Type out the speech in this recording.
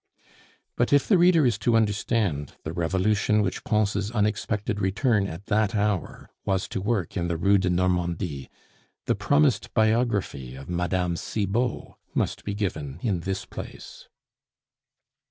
But if the reader is to understand the revolution which Pons' unexpected return at that hour was to work in the Rue de Normandie, the promised biography of Mme. Cibot must be given in this place.